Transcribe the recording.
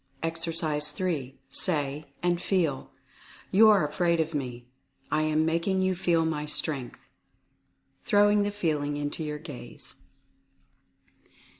Exercise 3. Say, and feel, "You are afraid of me — I am making you feel my Strength," throwing the feeling into your gaze.